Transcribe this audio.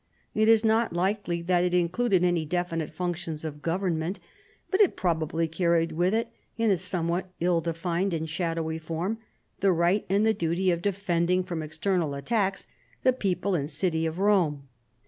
It is not likely that it included any definite functions of government, but it probably carried with it, in a somewhat ill defined and shadowy form, the right and the duty of defending from external attacks the people and city of Rome.